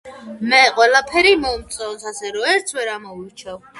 მე ყველაფერი მომწონს ასე რომ ერთს ვერ ამოვირჩევ